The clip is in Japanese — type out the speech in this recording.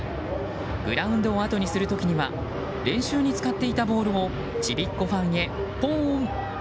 グラウンドをあとにする時には練習に使っていたボールをちびっ子ファンにぽーん！